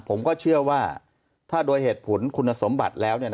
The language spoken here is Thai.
ผมก็เชื่อว่าถ้าโดยเหตุผลคุณสมบัติแล้ว